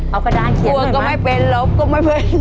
เอากระดานเขียนหน่อยมั้ย